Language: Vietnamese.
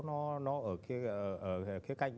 nó ở cái cạnh